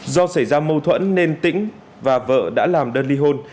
do xảy ra mâu thuẫn nên tĩnh và vợ đã làm đơn ly hôn